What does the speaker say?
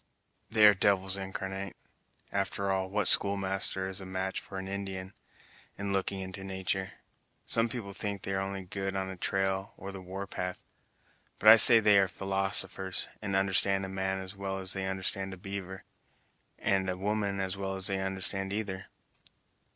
"They are devils incarnate! After all, what schoolmaster is a match for an Indian, in looking into natur'! Some people think they are only good on a trail or the war path, but I say that they are philosophers, and understand a man as well as they understand a beaver, and a woman as well as they understand either.